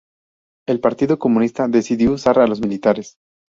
El partido comunista decidió usar a los militares.